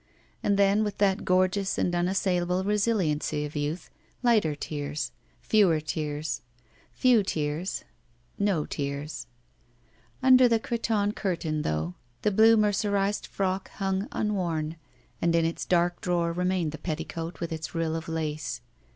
And then, with that gorgeous and unassailable resiliency of youth, lighter tears. Fewer tears. Few tears. No tears. Under the cretonne curtain, though, the blue 10 ^39 THE VERTICAL CITY mercerized frock hung unworn, and in its dark drawer remained the petticoat with its rill of lace.